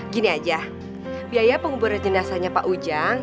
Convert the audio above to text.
gini aja biaya penguburan jenazahnya pak ujang